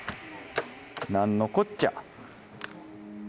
何のこっちゃ！